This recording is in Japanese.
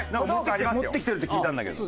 持ってきてるって聞いたんだけど。